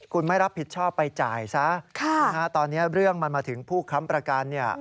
คุณไม่รับผิดชอบไปจ่ายซะตอนนี้เรื่องมันมาถึงผู้ค้ำประกัน